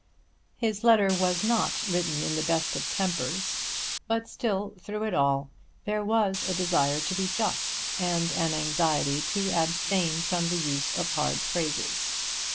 His letter was not written in the best of tempers; but still, through it all, there was a desire to be just, and an anxiety to abstain from the use of hard phrases.